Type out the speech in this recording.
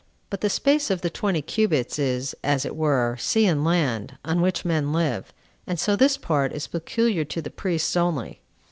But the space of the twenty cubits, is, as it were, sea and land, on which men live, and so this part is peculiar to the priests only.